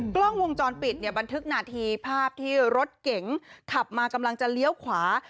กล้องวงจรปิดเนี่ยบันทึกนาทีภาพที่รถเก๋งขับมากำลังจะเลี้ยวขวา